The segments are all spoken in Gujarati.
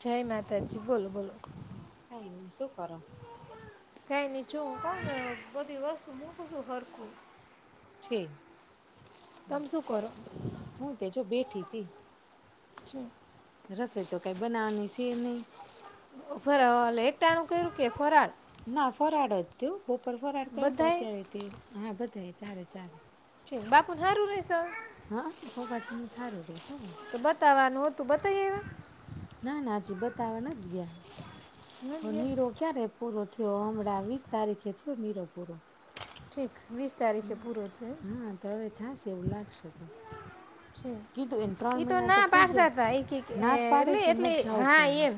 જય માતાજી બોલો બોલો કઈ નઈ સુ કરો કઈ નઈ જો [unintelligible] બધી વસ્તુ મૂકું છું હરખું. છે. શું કરો હું તે જો બેઠી તી. રસોઈ તો કઈ બનાવાની સે નઈ. ફરા એક ટાણું કર્યું કે ફરાળ? ના ફરાળ જ તું? બપર ફરાર કરયુ તો બધાએ અત્યારે તે હા બધાય ચારે ચાર. બાપુ હારું રહેસે હવ? હા હવાજનું હારું રશે. તો બતાવ આનો બતાવી આયવા? ના ના હજી બતાવવા નથી ગયા. આવ્યા નથી ગયા નીરો ક્યા રે પૂરો થયો હમણાં વીસ તારીખે થયો નીરો પૂરો. ઠીક વીસ તારીખે હમ્મ. પૂરો થયો એમ? હમ્મ, તો હવે જાશે એવું લાગશે તો. છે. કીધું એને ત્રણ એ તો મહિના ના થઈ પાડતા ગયા તા ઈ કે કે નાદ પાડે એટલે છે ન એટલે જવું હા પણ એમ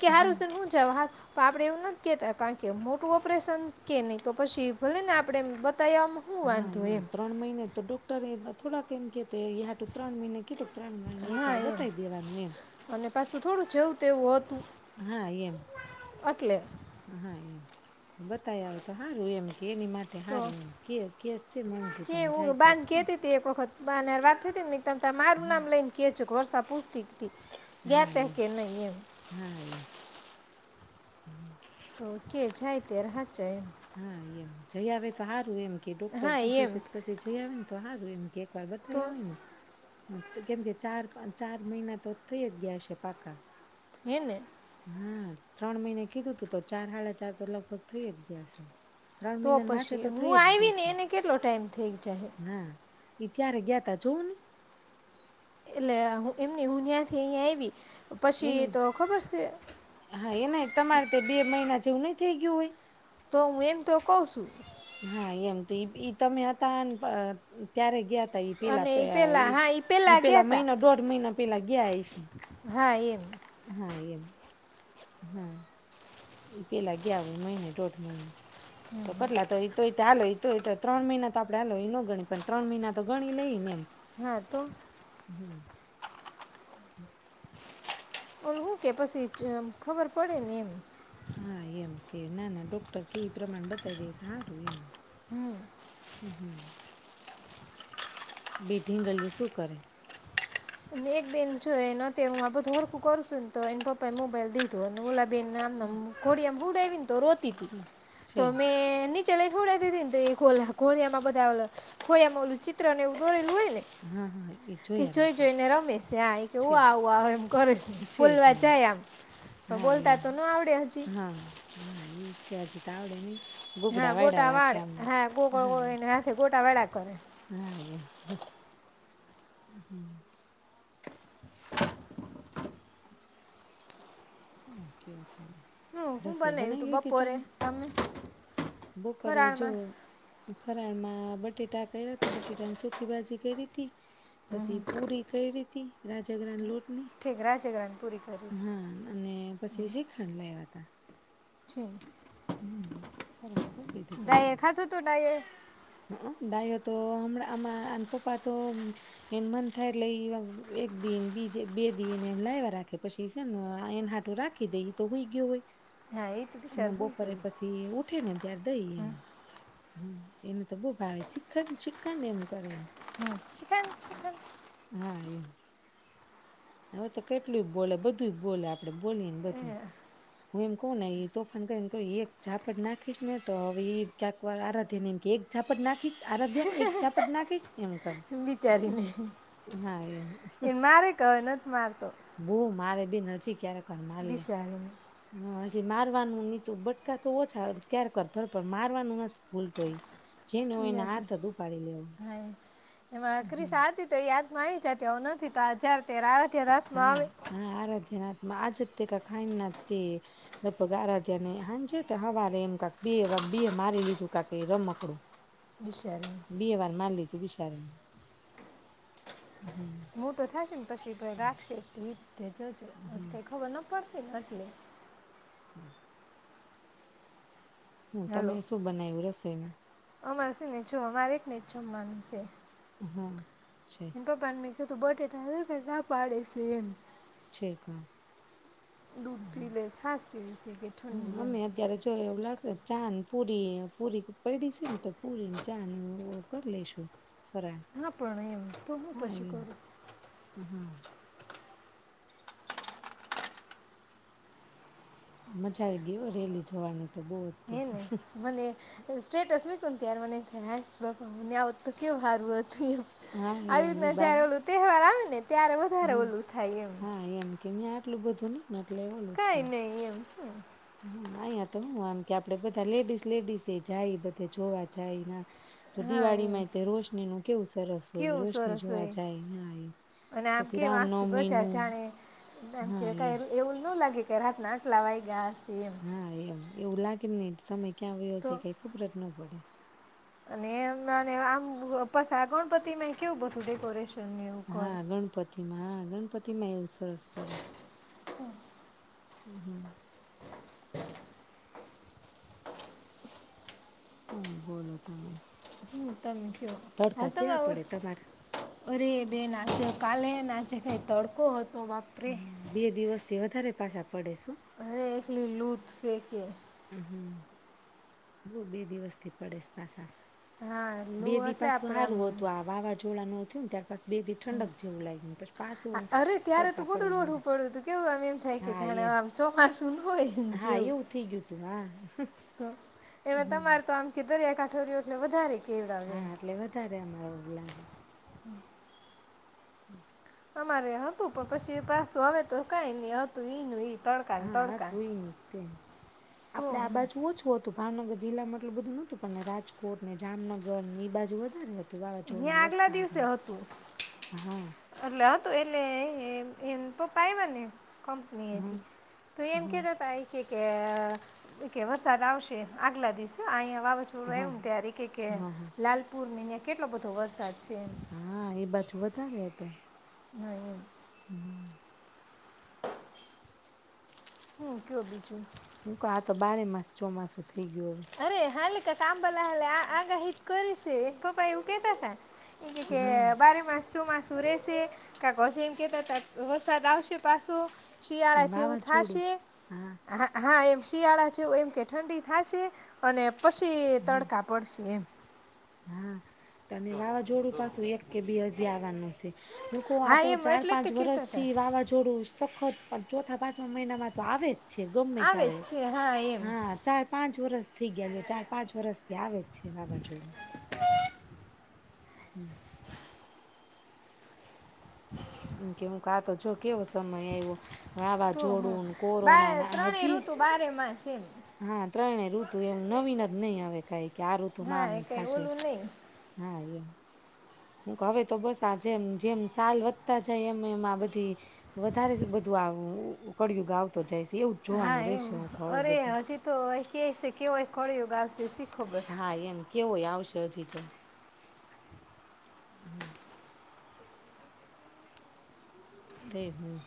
કે હમ હારુંન શેન હું જવું. તો આપડે એવું નથી કેતા કારણ કે મોટું ઓપરેશન કે નહી તો પછી ભલે ને આપણે બતા હા એમ ત્રણ મહિને તો ડોક્ટરે થોડાક એમ કહેતો યા ટુ ત્રણ મહિને કીધો હા એમ અને પાછું થોડું જેવું તે વ હા એમ હા એમ તો બતાય આવે તો હા રું એમ કે એની માટે તો સારું એમ કે કેસ છે મમ્મજી જે પણ હું જાય તો બાંધ થાય ને કેતી ત એક વખત બાને વાત થઈતી ને ત મારું હમ, નામ લઈને કેુ ઘોર સાપૂસતીક થી ગ હા તહે એમ કે નહી એમ હા એમ હમ તો કે જાય ત્યારે હાચુ એમ હા એમ જઈ આવે તો સારું એમ કે ડોક્ટર હા કીધું એમ છે પછી જઈ આવે ને તો હા હમ કે એક વાર તો બતાય આવ ને કેમ કે ચાર પાંચ ચાર મહિના તો થઈ જ ગયા છે પાકા એને હા ત્રણ મહિને કીધું તું તો ચાર હાડા ચાર તો લગભગ થઈ જ ગયા છે ત્રણ તો મહિનાને માથે પછી તો હું થઈ જ આયવી ગયું ને એને કેટલો ટાઈમ થઈ જાય એ ત્યારે ગયાતા જોઉં ને એટલે એમની હું ત્યાંથી અહિયાં એવી એ નહ હા એ ન તમારે તે બે મહિના જેવું નહ થઇ ગયુ હોય તો હું એમ તો કઉ છું હા એમ તો ઈ તમે હતા ત્યારે ગયા એ અને એ પહેલા પહેલાં હા એ ઇ પહેલાં ગયા પહેલા હતા મહિના દોઢ મહિના પેલા લગ્યા આ એ છે [inaudible] હા એમ હા એમ હા એ પેલા ગયા હોય મહિને દોઢ મહિને તો કેટલા તો એ તોય તો ચાલય એ ત્રણ મહિના તો આપણેે હાલ એ ન ગણી પણ ત્રણ મહિના તો ગણી લઈ ને એમ હા તો હમ ઓલી હું કે પછી ખબર પડે ને એમ હા એમ કે ના ના ડોક્ટર કે એ પ્રમાણ બતાવી દે સારું એમ હમ હમ હમ બીઢિંગ ગલયું શું કરે એક બેન જોને્યારે હું આ બધું ઓરખું કરું છું ને તો એને પપ્પા એ મોબાઈલ લીધું હું લ છે નામકડી અ [unintelligible] ગુડ એવિન તો રોતીથી છે તો છે મે ોડ દીધીનેોળિયા માંધાોળિયા ઓલું ચિત્ર એુંોરેલું હોય ને હા હા એ તે જોયા જોઈ રાખે. જોઈને રમેશે આ કે ઓ છે આવ એમ કરો છે બોલવા હા જાય આમ તો હા બોલતા એમ તો ન આવડે હજી તેવાજી ત આવડે ન હા ગોટા વાળ હ ગો ગ તવાડાકોે હ હમ હુ કેયો તમે હું શું રસોઈ બનાવ્યું બનાવી તું લીધી બપોરે તમે બપોરે જો ફરાળમાં ફરાળમાં હ બટેટા કયા તો બટેટાની સુખકી ભાજી કરી હતી પછી પૂરી કઈ રી હતી રાજ ગ્રણ લોટ ઠીક રાજગરાણ પૂરી કરીવી અને પછી શીખાંડ લાવ્યા હતા છે. હમ સરાળ કરી લીધું પશે ડાયે ખાધું હતું ડાયે હ ડાયો તો હમણાં પપ્પા તો એને મન થાય એટલે એક દિન બીજ બે દિન એમ લાવવા રાખે પછી છે ને એને હાટું રાખી દે તો હોય ગયું હોય હા એ તો હ બિચાર હોય બપોરે પછી ઉઠે ને તં ગયું દઈને એને તો બહ ભાઈ શીખડ શીખડ એમ કરે હ શિખંડ શિખંડ હા એ હવે તો કેટલું બોલે બધું બોલે આપડે બોલીએને બધું હું એમ કહ ને એ તોફાન કરીને કે એક ઝાપટ નાખીશ ને તો હવે ક્યાક વાર આરાધ્ય ને એમ કે એક ઝાપટ નાખી આરાધ્યા એક ચાપટ નાખી છેને એમ કરે બિચારીને હા એમ એ મારે કહે નથી મારતો બવ મારે બેન હજી ક્યારેક. પપ્પાને માર લે. બિચારીને જે મારવાનું ને ઈ તો બટકા તો ઓછા ક્યારેક જ ભરે પણ મારવાનું નથી ભૂલતો ઈ. જેનો હોય ઈ એને હજી હાથ જ ઉપાડી લેવો હા એમાં હમ ક્રીસા હતી તો યાદ મા આવી જતી હવે નથી તો આ જયારે ત્યારે હા હા આરાધ્યાના હાથમાં આજ તે કાક ખાઈ નાકતી લગભગ આરાધ્યા ને એ હાંજે કે હવારે એમ કાક બે બે મારી લીધું કાક એ રમકડું. ની શેર બે વાર માર લીધું વિશારાને. મોટો થાય છે ને પછી ભાઈ રાખશે [inaudible] તેજ હજી કંઈ ખબર ન પડ એ વાટલે. હા હાલો તમે શું બનાવ્યું રસોઈમાં? અમારે શું નેચું અમારે એક ને જમવાનું શે. હા છે. એ તો બટેટા [unintelligible] ના પાડે સે એમ. છે કાક. દૂધ પી હમ્મ લે છાશ પીવી છે કે હમ્મ, ઠંડી એમ અમે અત્યારે જો એવું લાગે ચાન પુરી પુરી પડી સે ને તો પુરી ને ચાને એવ કરી લેશુ. હા પણ એમ તો હું પછી એમ કરું. હા મજા આવી ગય હો રેલી જોવાની. તો બહુ જ તે હેને મને સ્ટેટસ મૂય પણ ત્યારે મને થાય હાયસ બાપા હું ન્યાં હોત તો કેવું હારું હોત. હા આવી એમની રીતના બા જયારે ઓલુ તહેવાર આવે ને ત્યારે વધારે ઓલું થાય એમ એટલું બધું ની [unintelligible] થાય હમ હ, અહિયાં તો હું આમ કે આપડે બધા લેડીસ, લેડીસ એ જાય બધે જોવા જાય ના તો હમ. હા દિવાળી એમ માં તે રોશનીનું કેવું સરસ હોય, કેવું રોશની સરસ જોવા હોય જાય, હા એ અને આમ પછી કેમ આખી રામનવમી બજાર નું, જાણે હા, કે એમ કાંઈ એવું ન લાગે કે રાતના આટલા વાયગા હશે એમ હા, એમ, એવું લાગ [unintelligible] સમય ક્યાં વયો તો જાય કઈ ખબર જ ન પડે અને એમ આમ પાછા ગણપતિમાંય કેવું બધું ડેકોરેશન ને એવું હા, કરે ગણપતિ માં હા ગણપતિ માંય એવું સરસ કરે હમ હ, હા હમ, બોલો તમે તમ તડકા કેવા પડે તમારે અરે બે નાચ્યો કાલે નાચે કઈ તડકો હતો તો બાપરે તે વધારે પાસા આપ અરે એક લી લું પેકે હ હમ બહ બે દિવસ થી પડેસ પાછા હા લૂ બેદી એટલે પાસું આપણે આમ સારું હતું આ વાવાઝોડા ન તું તાર પ બે ભી ઠંડક જેવું લાગ્યું પછ પાસું અરે [unintelligible] ત્યારે તો પડવા ગોદડું ઓઢવું પડ્યું હતું કેવું આમ એમ થાય માંડયા કે હા જાણે એમ આમ ચોમાસું ન હોય હા જેવું એવું થઈ ગયું તું હા એ હમ તમારે તો આમ દરીયા કામો રહ્યો એટલે વધારે કેવડાવે એમ હા એટલે વધારે અમારા ઓલા હમ અમારે હતું પણ પછી પાસું હવે તો કઈ નઈ હતું ઈ ન ઈ તડકા ને હા હ તો તડકા હોય નહ તે આપડે ઓહ આ બાજુ ઓછું હતું ભાવનગર જિલ્લા મા આટલું બધું નહોતું પણ રાજકોટ ને જામનગર ને એ બાજુ વધારે હત અહંયા આગલા દિવસે હતું. હા હા એટલે હતું એટલે એ એ એમ તો પાયવ્ય ને કંપની હા હતી તો એમ હા કહેતાતા એ કે કે એ કહે કે વરસાદ આવશે. આગલા દિવસે આહીંયાં વાવાઝોડું હા આવ્યું ત્યારે કહે કે હા લાલપુર ની કેટલો બધો વરસાદ હા, એ બાજુ વધારે હતો. [unintelligible] એ. હમ હું કયો બીજું? હું કહું તો બારે માસ ચોમાસું થઈ ગયું હવે અરે હાલીકાતા ભલા આલ્યા આગાહીત કરીશે એક તો પાહા એવું કહેતાતા. એમ કહે કે હા બારે માસ ચોમાસું રહેશે કાંતો પછી એમ કહેતાતા વરસાદ આવશે પાશુ. અને શિયાળા જેવું વાવાઝોડું થાશે? હા, હા, એમ. શિયાળા છે એમ કે ઠંડી થાશે? અને પછી હમ તડકા પડશે એમ હા તને વાવાઝોડું પાશુ એક કે બે હજી આવવાનું શે હું તો કહુ આ હા તો એમ ચાર એટલે જ પાંચ તે વરષ કહેતા હતા થી વાવાઝોડું સખત ચોથા પાંચ મહિનામાં તો આવે જ છે ગમે આવે ત્યારે જ છે એમ હા ચાર પાંચ વર્ષ થઈ ગયા છે ચાર પાંચ વર્ષથી આવે છે વાવાજોડું હમ [inaudible] મ કેવું કે આ તો જો કેવો સમય આવ્યો તોું હ વાવાઝોડું ને બ કોરોના ના ત્રણેય હજી ઋતુ બારે માસ એમ હા ત્રણેય ઋતુ એમ નવીન જ નહી હવે કઈ કે આ હા ઋતુમાં આમ એ કંઈ થશે ઓલું નહીં હા એમ હવે તો બસ આ જેમ જેમ સાલ વધતા જાય એમ એમ આ બધી વધારે બધું આ કળિયુંગ આવતો જાય છે એવું જ હા જોવાનું એમ રહેશે હું કવ હવે અરે બધું હજી તો કે છે કેવય કળિયુગ આવશે શી ખબર હા એમ કેવોય આવશે હજી તો હમ તે હું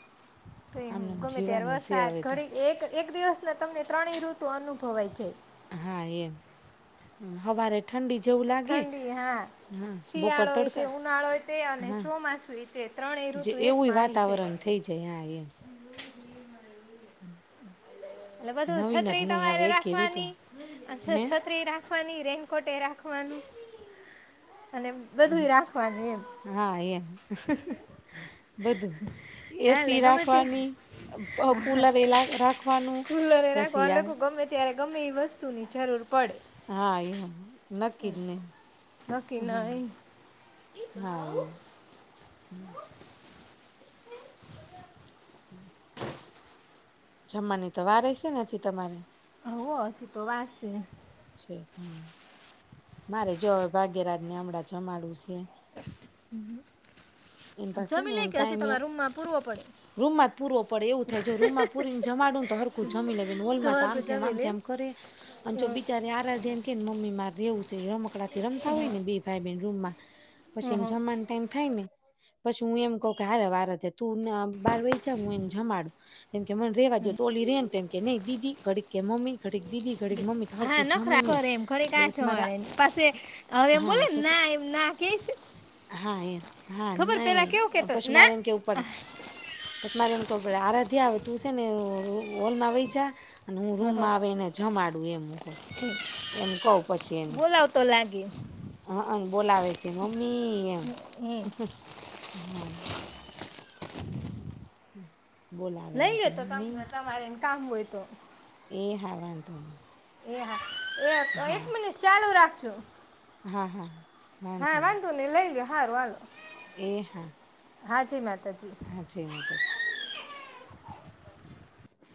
તઈ હું આમનેમ ગમે ત્યારે જીવાનું છે વર્ષાત હવે તો ઘડી એક એક દિવસના તમને ત્રણેય ઋતુ અનુભવાય જાય. હા એમ હવારે ઠંડી જેવું લાગે ઠંડી હા હા બપોર શિયાળો એ તે તડકા ઉનાળો એ તે અને હા ચોમાસું એ તે ત્રણે જે ઋતુ એક એવું માં આવી વાતાવરણ જાય. થઈ હમ્મ. એટલે બધું છત્રી તમારે ઋતુ રાખવાની છ હે છત્રી રાખ રાખવાની રેનકોટે એ રાખવાનું. અને બધુંય રાખવાનું હા એમ બધું એમ એ હા સી એટલે ગમે ત્યારે રાખવાની, કુલર એ રાખ રાખવાનું ફુલરે નાખો પછી આ લોકો ગમે ત્યારે ગમે એ વસ્તુ ની જરૂર પડે. હા એમ. નક્કી જ નહી નક્કી નો હમ હોય એમ? હા એમ હમ. જમવાની તો વાર હેશે ને હજી તમારે? હોવે હજી તો વારશે. મારે જો હવે ભાગ્યરાજને હમણાં જમાડું છે. એની પાસે ને જમી લે એ કે હજી ટાઈમે તમારા રૂમમાં પૂરવો પડે રૂમમાં જ પૂરવો પડે એવું થાય જો રૂમમાં પૂરીને જમાડું ને તો હરખું જમી લે ને વોલમાં તો આમ હરખું તેમ આમ જમી આમથે લે આમ કરે ને જો હમ ટલે જેમ કેમ મમ્મી મારે રેવું છે રમકડા રમતા હોઈને બે ભાઈ બેન રૂમમાં પછી એમ જમવાનું ટાઈમ થાય ને પછી હું એમ કઉ કે હારે વારતે તુંને બાર વઈ જા હું, એને જમાડું એમ કે મને રહેવાદો તોલી રે ને તો એમ કે નહી, દીદી ઘડી કે મમ્મી ઘડીક દીદી, ઘડીક મમ્મી [unintelligible] હા જમે નખરા ની કરે એમ ઘડીક એટલે આ પસ મારા, જમાડે ને પાસે હવે એમ બોલે હા, ને પસ ના એમ ના કે છે હા એમ, હા, ખબર પેલા કેવું નહી, કેતો પસ ના મારે એને કેવું પડે, પસ મારે એને કહેવું પડે હરા થયા તું સે ને હોલ માં આવી જા અને હું રૂમમાં આવી એને જમાડું એમ કહ ઠીક, એમ કહ પછી એને બોલાવ તો લાગે હ બોલાવે છે મી એમ હમ હ [inaudible] હમ લઈ જજો તમારે એન કામ હોય તો તો એ હાવાંધો નઇ એ હા એક એક મિનિટ ચાલુ રાખ છો હા હા હા વાંધો નઈ લઇ લો હારું હારું એ હા હા જી મા હા જય‌ માંતાજી